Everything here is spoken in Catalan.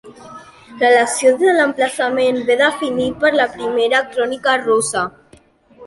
L'elecció de l'emplaçament ve definit per la Primera Crònica russa.